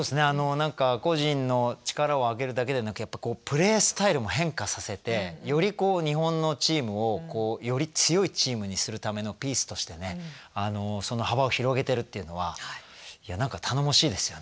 何か個人の力を上げるだけでなくやっぱこうプレースタイルも変化させてよりこう日本のチームをこうより強いチームにするためのピースとしてね幅を広げてるっていうのはいや何か頼もしいですよね。